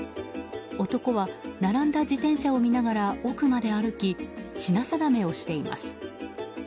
男は、並んだ自転車を見ながら奥まで歩き品定めをしています。